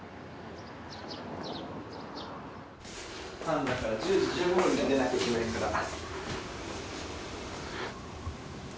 半だから１０時１５分に出なきゃいけないから。